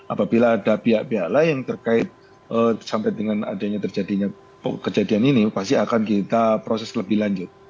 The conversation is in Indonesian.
apabila ada pihak pihak lain terkait sampai dengan adanya terjadinya kejadian ini pasti akan kita proses lebih lanjut